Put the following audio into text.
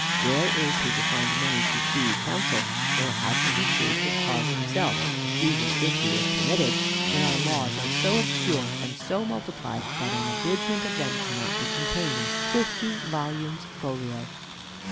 Where is he to find money to fee counsel, or how can he plead his cause himself (even if he was permitted) when our laws are so obscure and so multiplied that an abridgment of them cannot be contained in fifty volumes folio?